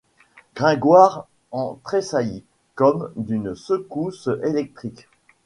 Gringoire en tressaillit comme d’une secousse électrique.